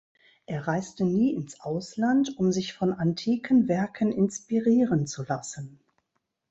Er reiste nie ins Ausland, um sich von antiken Werken inspirieren zu lassen.